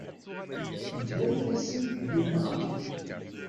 Teddamt-asent di nneqma.